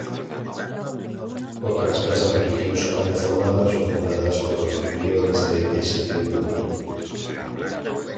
Otras casas religiosas reformadas o fundadas por los priores de St.